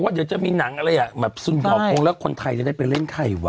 เดี๋ยวจะมีหนังอะไรอ่ะแบบซึมขอคงแล้วคนไทยจะได้ไปเล่นใครวะ